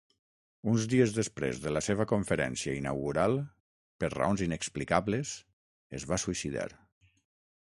Uns dies després de la seva conferència inaugural, per raons inexplicables, es va suïcidar.